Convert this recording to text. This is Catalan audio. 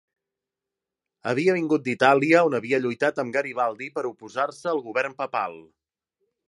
Havia vingut d'Itàlia on havia lluitat amb Garibaldi per oposar-se al govern papal.